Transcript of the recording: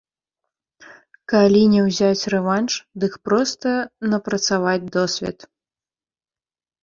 Калі не ўзяць рэванш, дык проста напрацаваць досвед.